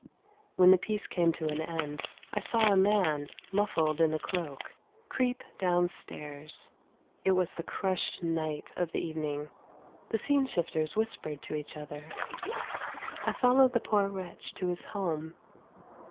When the piece came to an end, I saw a man, muffled in a cloak, creep downstairs. It was the crushed knight of the evening, the scene shifters whispered to each other. I followed the poor wretch to his home.